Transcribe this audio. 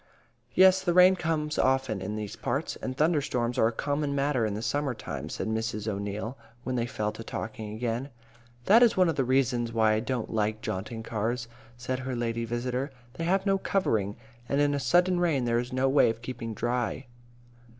"Yes, the rain comes often in these parts, and thunder storms are a common matter in the summer time," said Mrs. O'Neil, when they fell to talking again. "That is one of the reasons why I don't like jaunting cars," said her lady visitor. "They have no covering, and in a sudden rain there is no way of keeping dry."